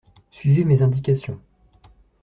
Suivez mes indications.